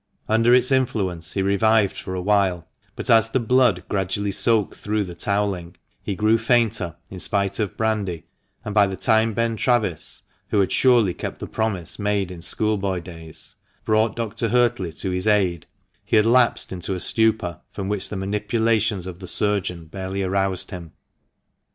Under its influence he revived for awhile ; but, as the blood gradually soaked through the towelling, he grew fainter, in spite of brandy, and by the time Ben Travis (who had surely kept the promise made in school boy days) brought Dr. Huertley to his aid, he had lapsed into a stupor from which the manipulations of the surgeon barely aroused him.